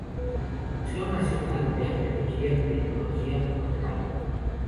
Museo Nacional de Arqueología y Etnología, Guatemala.